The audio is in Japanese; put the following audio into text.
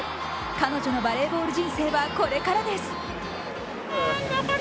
彼女のバレーボール人生はこれからです。